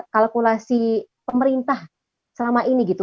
kalkulasi pemerintah selama ini gitu